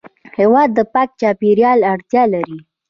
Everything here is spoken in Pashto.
هېواد د پاک چاپېریال اړتیا لري.